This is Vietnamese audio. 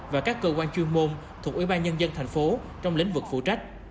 và các cơ quan chuyên môn thuộc ủy ban nhân dân thành phố trong lĩnh vực phụ trách